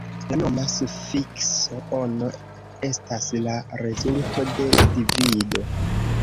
La noma sufikso -ono estas la rezulto de divido.